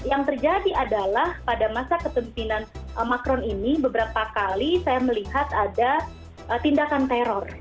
dan yang terjadi adalah pada masa ketemimpinan macron ini beberapa kali saya melihat ada tindakan teror